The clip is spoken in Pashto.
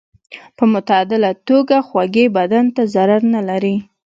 په معتدله توګه خوږې بدن ته ضرر نه لري.